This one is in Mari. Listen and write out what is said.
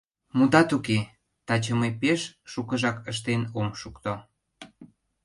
— Мутат уке, таче мый пеш шукыжак ыштен ом шукто...